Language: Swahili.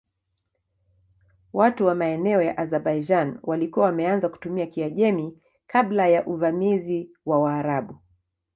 Watu wa maeneo ya Azerbaijan walikuwa wameanza kutumia Kiajemi kabla ya uvamizi wa Waarabu.